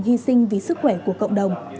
hy sinh vì sức khỏe của cộng đồng